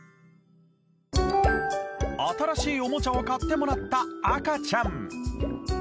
新しいおもちゃを買ってもらった赤ちゃん